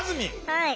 はい。